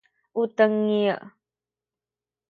u tengil